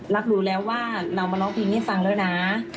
รักรู้แล้วว่าเรามาร้องเพลงให้ฟังแล้วนะ